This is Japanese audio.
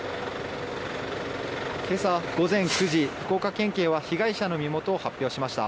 今朝午前９時、福岡県警は被害者の身元を発表しました。